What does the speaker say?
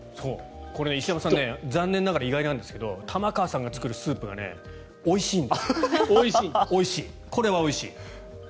これ石山さん残念ながら意外なんですけど玉川さんが作るスープがおいしいんですよ。